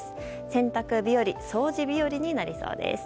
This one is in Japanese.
洗濯日和掃除日和になりそうです。